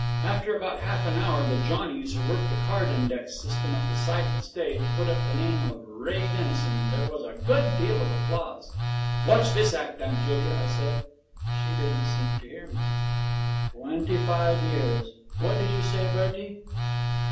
After about half an hour the johnnies who work the card index system at the side of the stage put up the name of Ray Denison, and there was a good deal of applause. 'Watch this act, Aunt Julia,' I said. She didn't seem to hear me. 'Twenty five years! What did you say, Bertie?'